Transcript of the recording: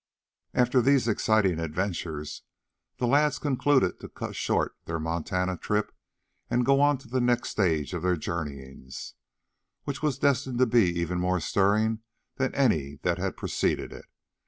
After these exciting adventures, the lads concluded to cut short their Montana trip and go on to the next stage of their journeyings, which was destined to be even more stirring than any that had preceded it.